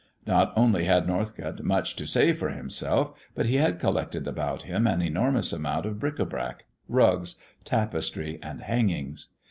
Not only had Norcott much to say for himself, but he had collected about him an enormous amount of bric à brac, rugs, tapestries, and hangings.